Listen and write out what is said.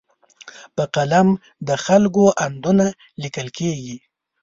په قلم د خلکو اندونه لیکل کېږي.